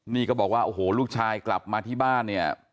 นี่ก็บอกว่าโอ้โหลูกชายกลับมาที่บ้านเนี่ย